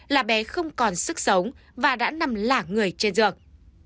là bé không còn sức sống và đã nằm lả người trên giường